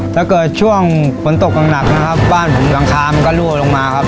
ถ้าเกิดช่วงฝนตกหนักนะครับบ้านผมหลังคามันก็รั่วลงมาครับ